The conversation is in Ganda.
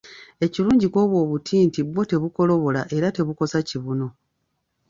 Ekilungi ku obwo obuti nti bwo tebukolobola era tebukosa kibuno.